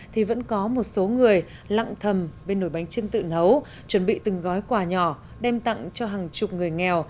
thì vẫn có một số người lặng thầm bên nồi bánh chưng tự nấu chuẩn bị từng gói quả nhỏ đem tặng cho hàng chục người nghèo